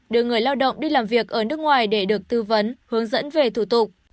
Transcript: đưa người lao động đi làm việc ở nước ngoài để được tư vấn hướng dẫn về thủ tục